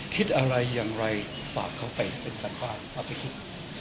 คิดอะไรอย่างไรฝากเขาไปให้เป็นการบ้านถ้าไปคิด